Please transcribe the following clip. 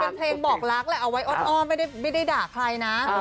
เป็นเพลงบอกรักแหละเอาไว้อ้อนอ้อมไม่ได้ด่าใครนะ